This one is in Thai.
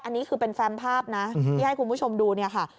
อันนี้คือเป็นแฟมภาพนะที่ให้คุณผู้ชมดูเนี่ยค่ะ